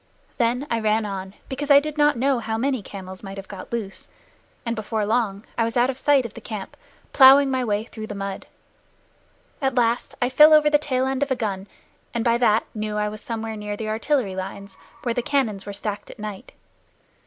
Then I ran on, because I did not know how many camels might have got loose, and before long I was out of sight of the camp, plowing my way through the mud. At last I fell over the tail end of a gun, and by that knew I was somewhere near the artillery lines where the cannon were stacked at night.